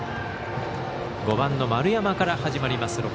５番の丸山から始まります。